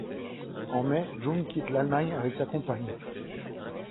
En mai, Jung quitte l’Allemagne avec sa compagne.